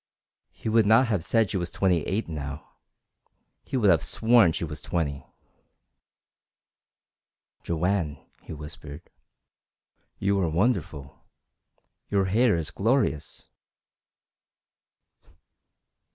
He would not have said she was twenty eight now. He would have sworn she was twenty. "Joanne," he whispered, "you are wonderful. Your hair is glorious!"